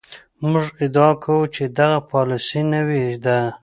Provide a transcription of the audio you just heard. موږ ادعا کوو چې دغه پالیسي نوې ده.